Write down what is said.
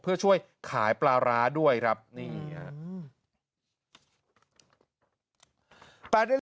เพื่อช่วยขายปลาร้าด้วยครับนี่ฮะ